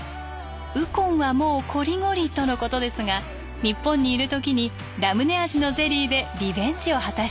ウコンはもうコリゴリとのことですが日本にいる時にラムネ味のゼリーでリベンジを果たしたそう。